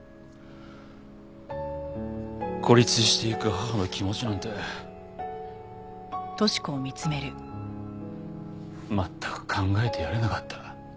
孤立していく母の気持ちなんて全く考えてやれなかった。